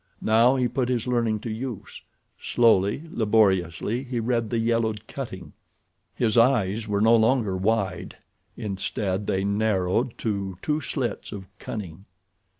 Now he put his learning to use. Slowly, laboriously he read the yellowed cutting. His eyes were no longer wide. Instead they narrowed to two slits of cunning.